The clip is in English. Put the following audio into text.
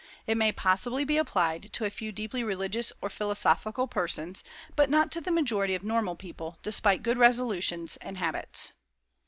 It may possibly be applied to a few deeply religious or philosophical persons, but not to the majority of normal people, despite good resolutions and habits.